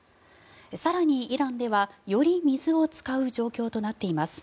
更に、イランではより水を使う状況となっています。